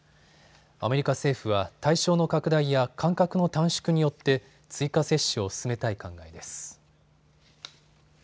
アメリカ政府は対象の拡大や間隔の短縮によって追加接種を進めたい考えです。